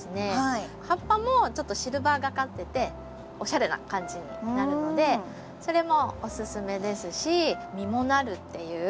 葉っぱもちょっとシルバーがかってておしゃれな感じになるのでそれもおすすめですし実もなるっていう。